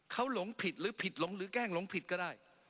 เขาหลงผิดหรือผิดหลงหรือแกล้งหลงผิดก็ได้